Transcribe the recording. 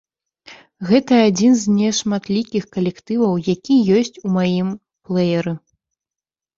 Гэта адзін з нешматлікіх калектываў, які ёсць у маім плэеры.